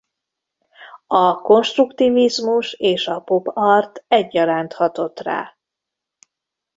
A konstruktivizmus és a pop-art egyaránt hatott rá.